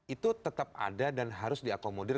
itu tetap ada dan harus diakomodir